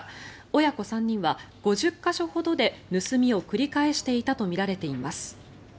親子３人は５０か所ほどで盗みを繰り返していたとみられています。